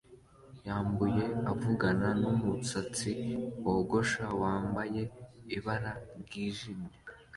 yamabuye avugana numusatsi wogosha wambaye ibara ryijimye